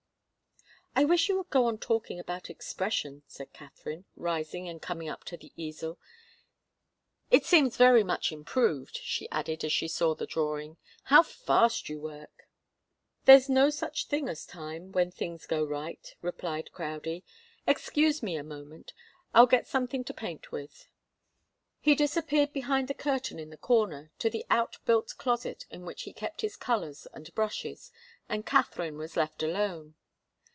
"I wish you would go on talking about expression," said Katharine, rising and coming up to the easel. "It seems very much improved," she added as she saw the drawing. "How fast you work!" "There's no such thing as time when things go right," replied Crowdie. "Excuse me a moment. I'll get something to paint with." He disappeared behind the curtain in the corner, to the out built closet in which he kept his colours and brushes, and Katharine was left alone.